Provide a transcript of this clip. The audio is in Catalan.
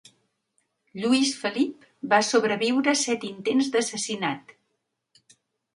Lluís Felip va sobreviure set intents d'assassinat.